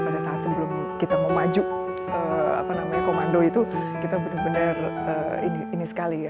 pada saat sebelum kita mau maju komando itu kita benar benar ini sekali ya